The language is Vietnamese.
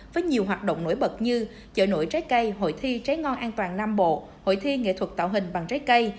với nhiều hoạt động nổi bật như chợ nổi trái cây hội thi trái ngon an toàn nam bộ hội thi nghệ thuật tạo hình bằng trái cây